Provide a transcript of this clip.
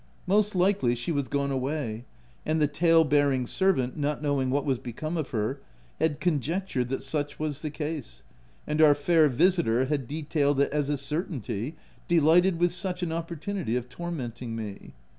Most likely, she was gone away, and the tale bearing servant, not knowing what was become of her, had conjectured that such was the case, and our fair visiter had de tailed it as a certainty, delighted with such an opportunity of tormenting me.